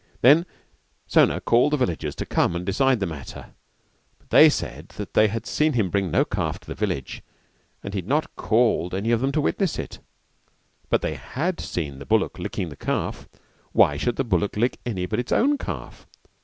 Then Sona called the villagers to come and decide the matter: but they said that they had seen him bring no calf to the village and he had not called any of them to witness it, but they had seen the bullock licking the calf; why should the bullock lick any but its own calf?